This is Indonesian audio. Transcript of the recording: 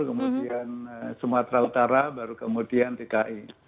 kemudian sumatera utara baru kemudian dki